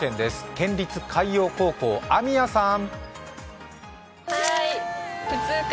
県立海陽高校、網屋さん。